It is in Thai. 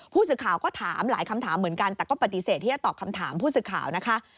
ผู้สื่อข่าวก็ถามหลายคำถามเหมือนกันแต่ก็ปฏิเสธที่จะตอบคำถามผู้สื่อข่าวนะคะ